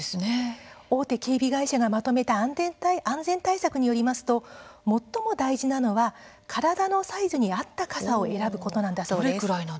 大手警備会社がまとめた安全対策によりますと最も大事なのは体のサイズに合った傘を選ぶことなんだそうです。